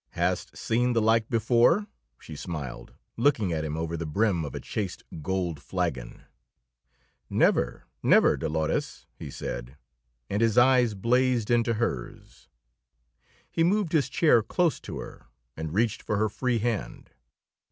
"Hast seen the like before?" she smiled, looking at him over the brim of a chased gold flagon. "Never, never, Dolores!" he said, and his eyes blazed into hers. He moved his chair close to her, and reached for her free hand.